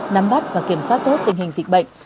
nắm bắt và kiểm soát tốt tình hình dịch bệnh